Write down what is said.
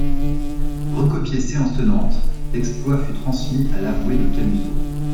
Recopié séance tenante, l'exploit fut transmis à l'avoué de Camusot.